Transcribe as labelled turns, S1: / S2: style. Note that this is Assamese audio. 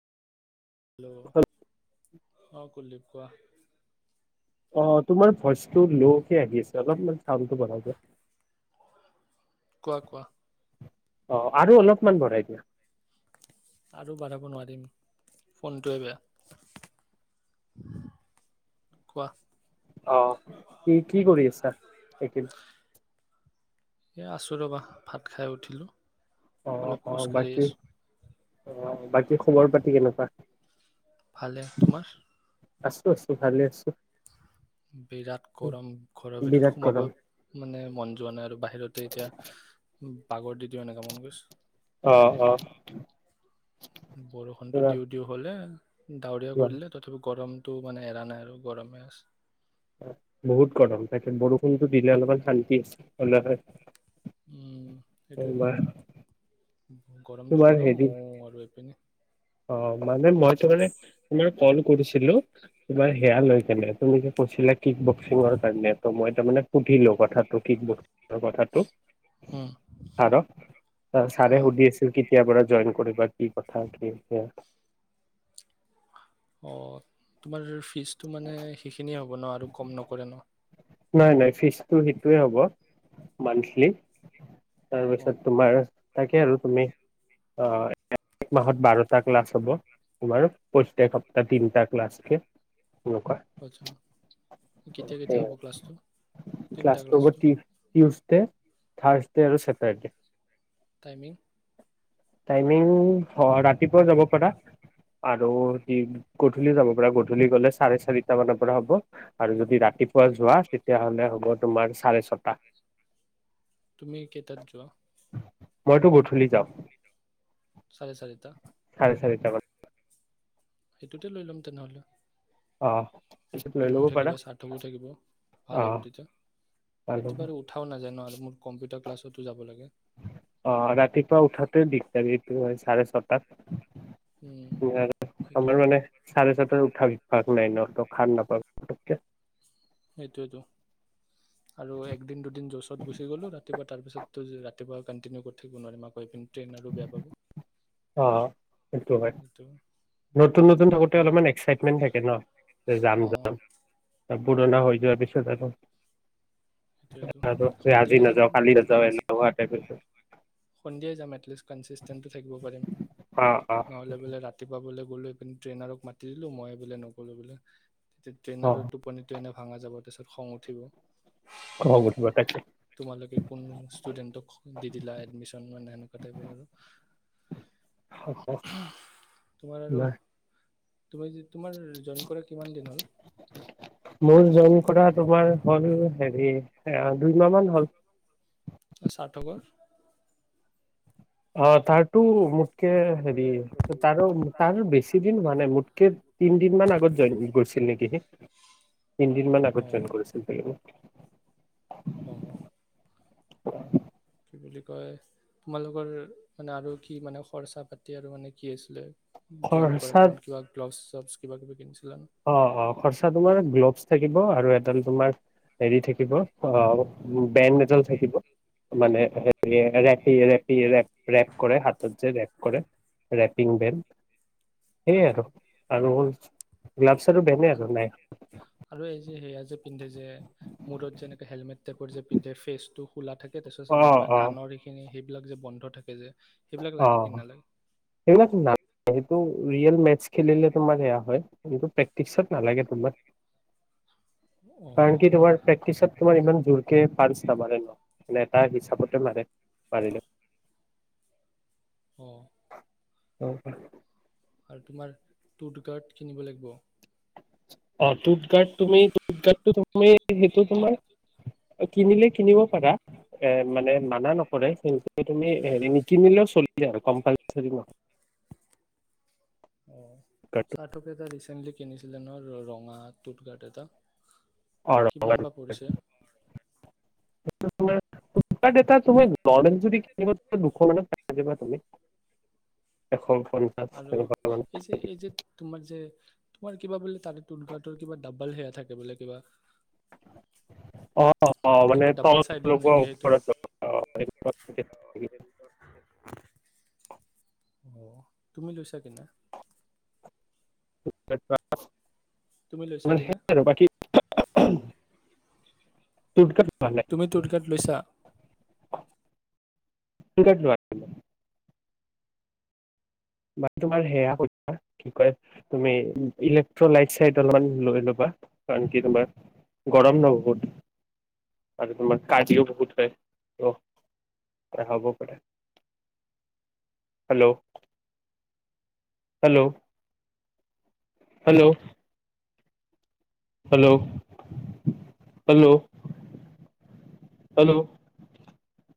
S1: হেল্ল'? অহ কুলদীপ কোৱা
S2: হেল্ল', অ তোমাৰ ভইচটো ল'কে আহি আছে, অলপমান চাউনটো বঢ়াই দিয়া।
S1: কোৱা কোৱা?
S2: অ আৰু অলপমান বঢ়াই দিয়া।
S1: আৰু বঢ়াব নোৱাৰিম, ফোনটোৱে বেয়া। কোৱা?
S2: অ কি কৰি আছা? একিন?
S1: এ আছো ৰবা, ভাত খাই উঠিলো।
S2: অ-অ বাকী, অ বাকী খবৰ পাতি কেনেকুৱা?
S1: ভালে তোমাৰ
S2: আছো-আছো ভালে আছো।
S1: বিৰাট গৰম, ঘৰৰ ভিতৰত
S2: বিৰাট
S1: সোমাব
S2: গৰম
S1: মানে মন যোৱা নাই আৰু বাহিৰতে এতিয়া পাগৰ দি দিওঁ এনেকা মন গৈছ।
S2: আহ-আহ
S1: বৰষুণটো দিওঁ দিওঁ হলে দাৱৰীয়া
S2: গৰম।
S1: কৰিলে তথাপি গৰম টো মানে এৰা নাই আৰু গৰমে আছে।
S2: বহুত গৰম পেকিন বৰষুণতো দিলে অলপমান শান্তি আছে হলে হয়
S1: উম সেইটোৱে ত
S2: তোমাৰ
S1: গৰম টো
S2: তোমাৰ
S1: গৰম
S2: হেৰি
S1: মহ আৰু এপিনে
S2: অ মানে মই তো মানে তোমাৰ কল কৰিছিলো তোমাৰ সেয়া লৈ কেনে তুমি যে কৈছিলা কিক বক্সিঙৰ কাৰণে ত মই তাৰ মানে সুধিলো কথাটো কিক বক্সিংৰ কথাটো
S1: উম
S2: ছাৰক, ছাৰে
S1: অ
S2: শুধি আছিল কেতিয়া পৰা জইন কৰিবা কি কথা কি [unintelligible] [unintelligible]
S1: অ তোমাৰ? ফিজটো মানে সেইখিনিয়ে হ'ব ন। আৰু কম নকৰে ন।
S2: নাই নাই ফিজটো সেইটোৱে হ'ব মান্থলি?
S1: অ
S2: তাৰপিছত তোমাৰ? তাকে আৰু তুমি আহ এক মাহত বাৰটা ক্লাছ হ'ব তোমাৰ প্ৰত্যেক সপ্তাহ তিনিটা ক্লাছকে? এনেকুৱা
S1: আচছা কেতিয়া কেতিয়া হ'ব ক।
S2: ক্লাছটোব টিউচডে? থাৰ্ছডে আৰু চেটাৰডে।
S1: টাইমিং?
S2: টাইমিং অ ৰাতিপুৱা যাব পাৰা, আৰু গধূলি যাব পাৰা গধূলি গ'লে চাৰে চাৰিটা মানৰ পৰা হ'ব আৰু যদি ৰাতিপুৱা যোৱা? তেতিয়াহলে হ'ব তোমাৰ চাৰে ছটা।
S1: তুমি কেটাত যোৱা।
S2: মইতো গধূলি যাম।
S1: চাৰে চাৰিতা?
S2: চাৰিতা মন।
S1: সেইটোতে লৈ ল'ম তেনেহ'লে।
S2: অ। পিছত লৈ ল'ব
S1: তুমিও
S2: পাৰা
S1: থাকিবা স্বাৰ্থৱো থাকিব ভাল
S2: অ'
S1: হ'ব তেতিয়া,
S2: ভাল হ'ব
S1: ৰাতিপুৱা আৰু উঠাও নাযায় ন আৰু মোৰ কম্পিউটাৰ ক্লাছ? যাব লাগে?
S2: অ ৰাতিপুৱা উঠাতে দিগদাৰি? হয় চাৰে
S1: উম,
S2: ছটাত। আৰু আমাৰ
S1: সেইটোৱেতো
S2: মানে চাৰে ছটাৰ উঠাবি। পাক নাই ন তু খাৰ নাপালোঁ পত্ক কে।
S1: সেইটোৱেতো আৰু একদিন দুদিন যোৰচত গুচি গ'লো ৰাতিপুৱা তাৰপিছতো ৰাতিপুৱা কণ্টিনিউ কৰি থাকিব নোৱাৰিম মাক পিন। ট্ৰেইন আৰু বেয়া পাব।
S2: অ সেইটো হয় নতুন নতুন থাকোতে
S1: সেইকাৰণে
S2: অলপমান এক্সাইটমেণ্ট থাকে ন যে যাম
S1: অঁ
S2: যাম। পুৰণা হৈ যোৱা পিছত আক।
S1: সেইটোৱেতো
S2: আজি
S1: সন্ধিয়াই যাম
S2: নাযাও কালি নাযাও
S1: কন
S2: লৰা এটা গৈছে।
S1: সন্ধিয়াই যাম এটলিষ্ট কনচিষ্টেণ্টটো থাকিব পাৰিম
S2: অ
S1: নহ'লে বোলে ৰাতিপুৱা বোলে। ট্ৰেইনৰ মাতি দিলো মই বোলে নগলো বোলে। তেতি
S2: অ
S1: ট্ৰেইনত টোপ। স এনে ভাঙা যাব তাৰপিছত খং উঠিব।
S2: খং উঠিব তাইকলি?
S1: তোমালোকে কোন ষ্টুডেণ্টক দি দিলা এডমিশন মানে সেনেকুৱা টাইপৰ আৰু। তোমাৰ আৰু
S2: নাই।
S1: তুমি তোমাৰ জইন কৰা কিমান দিন হ'ল?
S2: মোৰ জইন কৰা তোমাৰ হল হেৰি এ দুইমাহ মান হ'ল।
S1: [unintelligible]
S2: অ তাৰ টো মোতকে হেৰি তাৰ তাৰ বেছি দিন হোৱা নাই মোতকে তিনদিন মান আগত জইন কৰিছিল নেকি সি তিনদিন মান আগত
S1: অঁ
S2: জইন কৰিছিল সি।
S1: অ।
S2: [inaudible]
S1: কি বুলি কয় তোমালোকৰ মানে আৰু কি মানে খৰচা পাতি আৰু মানে কি আছিলে। জইন কৰা
S2: খৰচাত
S1: তাইমত কিবা গ্ল'ভছ? কিবা কিবি কিনিছিলা। নে
S2: অ অ খৰচা তোমাৰ গ্ল'ভছ থাকিব আৰু এডাল তোমাৰ হেৰি থাকিব অ বেণ্ড এডাল থাকিব মানে হে ৰেপি ৰেপিৰে। ৰেপ কৰে হাতত যে ৰেপ কৰে। Wrapping belt. সেইয়
S1: আচ্ছা
S2: আৰু। আৰু গ্লভছ আৰু ভেনে আৰু নাই।
S1: আৰু এই যে সেয়া যে পিন্ধে যে মূৰত যেনেকে হেলমেট টাইপৰ যে পিন্ধে ফেচ টো। ক'লা থাকে তাৰ
S2: অ
S1: পিছত
S2: অ
S1: কাণৰ এইখিনি। সেইবিলাক যে বন্ধ থাকে যে। সেইবিলাক
S2: অ
S1: লাগে কি নালাগে।
S2: সেইবিলাক ন সেইটো ৰিয়েল মেষ্টচ খেলিলে তোমাৰ সেয়া হয় কি প্ৰেক্টিচত নালাগে তোমাৰ। কাৰণ
S1: অ',
S2: কি তোমাৰ প্ৰেক্টিচত তোমাৰ ইমান জোৰকে। ফানস নামাৰে ন নেতাৰ হিচাপতে মাৰে মাৰিলে।
S1: অ।
S2: অ প
S1: আৰু তোমাৰ টুথগাৰ্ড কিনিব লাগিব।
S2: অতো। উঘাটটো তুমি উঘাটটো তুমি সেইটো তোমাৰ। অ কিনিলে। কিনিব পাৰা এ মানে মানা নক অ তুমি হেৰি নিক নিলেও চল কি আৰু কম্পালচৰি নহ।
S1: অঁ
S2: ফ্লিপকাৰ্টটো
S1: চাকেটা ৰিচেণ্টলি কিনিছিলে ন ৰঙা টুথকাৰ্ট এটা।
S2: অ ৰঙা
S1: কিমান বা পৰিছে?
S2: এটা তুমি ন্জুৰি। দুখ মানে থাক। এখন।
S1: আৰু এই যে এই যে তোমাৰ যে। তোমাৰ কিবা বোলে তাতেৰ কিবা ডাবল সেয়া থাকে বোলে কিবা?
S2: অ অ মানে
S1: কিবা
S2: তল
S1: ডাবল চাইডৰ
S2: লগোৱা
S1: নেকি সেইটো?
S2: ওৰত লগোৱা তেনে থাকে?
S1: অ তুমি লৈছা কি না।
S2: া [inaudible] [unintelligible]
S1: তুমি লৈছা কিনা।
S2: চুটকা
S1: তুমি টো টিকেট লৈছা।
S2: নোৱাৰি? তোমাৰ সেয়া কি কয় তুমি ইলেক্ট্ৰ লাইট চাইট অলমান লৈ ল'বা কাৰণ কি তোমাৰ গৰম ন বহুত? আৰু তোমাৰ কাজিও বহুত হয় হব প hello hello. Hello hello hello hello